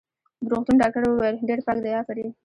د روغتون ډاکټر وویل: ډېر پاک دی، افرین.